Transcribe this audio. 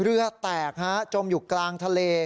เรือแตกฮะจมอยู่กลางทะเล